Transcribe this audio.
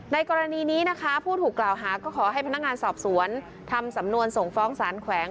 ในกรณีนี้นะคะผู้ถูกกล่าวหาก็ขอให้พนักงานสอบสวนทำสำนวนส่งฟ้องสารแขวง